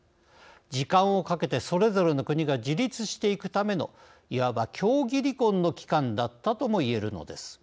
時間をかけて、それぞれの国が自立していくためのいわば協議離婚の期間だったともいえるのです。